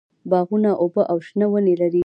باغونه اوبه او شنه ونې لري.